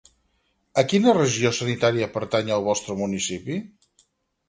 A quina regió sanitària pertany el vostre municipi?